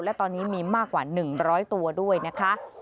และตอนนี้มีมากกว่า๑๐๐ตัวด้วยนะคะ